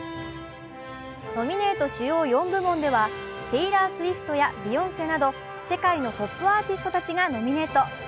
ノミネート主要４部門ではテイラー・スウィフトやビヨンセなど世界のトップアーティストたちがノミネート。